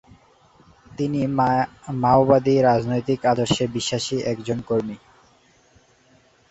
তিনি মাওবাদী রাজনৈতিক আদর্শে বিশ্বাসী একজন কর্মী।